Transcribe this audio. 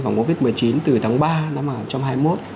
phòng covid một mươi chín từ tháng ba năm hai nghìn hai mươi một